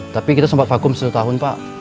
tapi kita sempat vakum satu tahun pak